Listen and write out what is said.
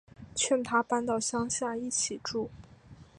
劝他搬到乡下一起住